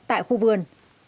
tại khu vườn